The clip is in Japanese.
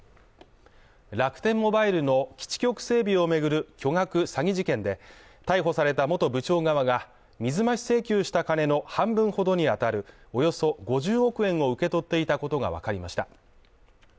楽天モバイルの基地局整備を巡る巨額詐欺事件で逮捕された元部長側が水増し請求した金の半分ほどに当たるおよそ５０億円を受け取っていたことがわかりました。